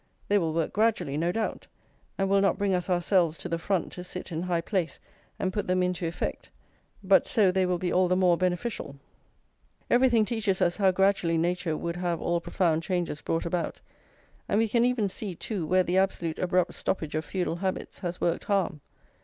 They will work gradually, no doubt, and will not bring us ourselves to the front to sit in high place and put them into effect; but so they will be all the more beneficial. Everything teaches us how gradually nature would have all profound changes brought about; and we can even see, too, where the absolute abrupt stoppage of feudal habits has worked harm.